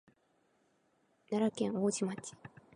奈良県王寺町